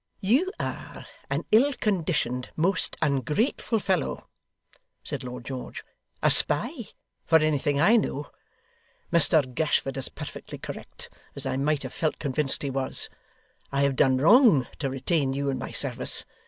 'You are an ill conditioned, most ungrateful fellow,' said Lord George: 'a spy, for anything I know. Mr Gashford is perfectly correct, as I might have felt convinced he was. I have done wrong to retain you in my service.